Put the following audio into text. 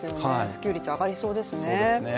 普及率上がりそうですね。